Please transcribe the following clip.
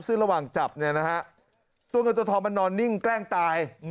ซึ่งระหว่างจับเนี่ยนะฮะตัวเงินตัวทองมันนอนนิ่งแกล้งตาย